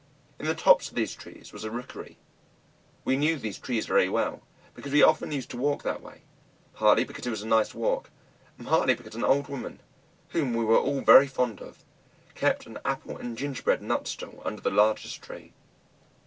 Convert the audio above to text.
In the tops of these trees was a rookery; we knew these trees very well, because we often used to walk that way, partly because it was a nice walk, and partly because an old woman, whom we were all very fond of, kept an apple and gingerbread nut stall under the largest tree.